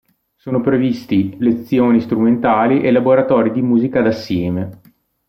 Sono previsti lezioni strumentali e laboratori di musica d’assieme.